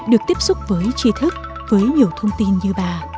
được tiếp xúc với tri thức với nhiều thông tin như bà